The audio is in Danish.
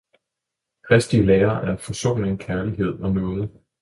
Kristi lære er forsoning, kærlighed og nåde!